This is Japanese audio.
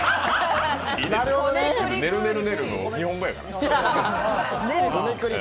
ねるねるねるねも日本語やから。